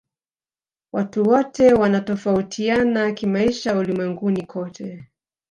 watu wote wanatofautiana kimaisha ulimwenguni kote